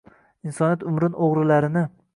Insoniyat umrin o’g’rilarini.